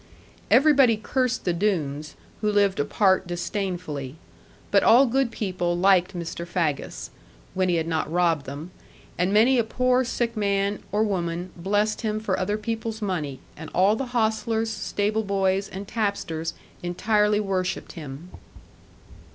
Everybody cursed the Doones, who lived apart disdainfully. But all good people liked Mr. Faggus when he had not robbed them and many a poor sick man or woman blessed him for other people's money; and all the hostlers, stable boys, and tapsters entirely worshipped him.